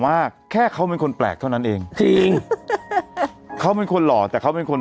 ว่าแค่เขาเป็นคนแปลกเท่านั้นเองจริงเขาเป็นคนหล่อแต่เขาเป็นคน